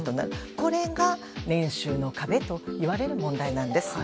これが年収の壁といわれる問題なんです。